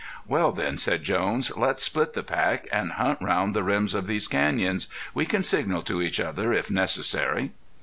"Well, then," said Jones, "let's split the pack, and hunt round the rims of these canyons. We can signal to each other if necessary."